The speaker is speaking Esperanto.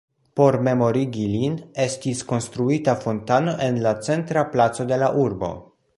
Por memorigi lin estis konstruita fontano en la centra placo de la urbo.